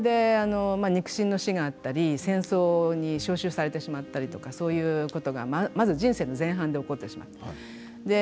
肉親の死があったり戦争に召集されてしまったりとかそういうことがまず人生の前半で起こってしまった。